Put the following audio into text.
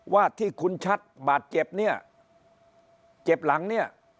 ว่าที่คุณชัดบาดเจ็บเนี่ยเจ็บหลังเนี่ย